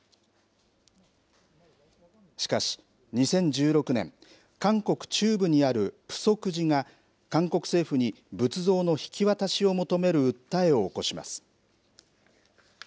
しかし２０１６年韓国中部にあるプソク寺が韓国政府に仏像の引き渡しを求める訴えを起こします。